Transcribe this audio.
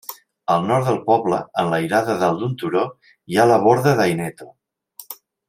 Al nord del poble, enlairada dalt d'un turó, hi ha la Borda d'Aineto.